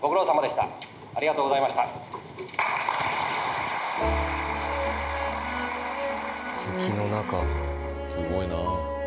すごいな。